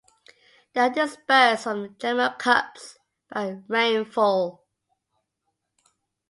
They are dispersed from gemma cups by rainfall.